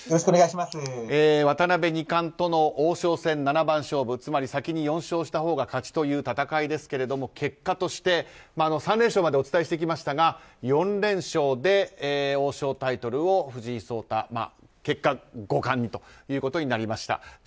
渡辺二冠との王将戦七番勝負つまり先に４勝したほうが勝ちという戦いですけれども結果として、３連勝までお伝えしてきましたが４連勝で王将タイトルを藤井聡太結果五冠にとなりました。